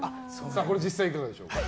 実際いかがでしょうか？